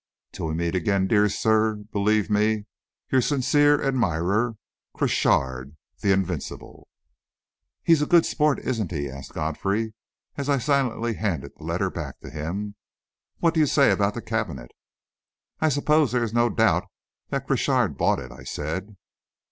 "Till we meet again, dear sir, believe me "Your sincere admirer, "CROCHARD, L'Invincible!" "He's a good sport, isn't he?" asked Godfrey, as I silently handed the letter back to him. "What do you say about the cabinet?" "I suppose there is no doubt that Crochard bought it," I said.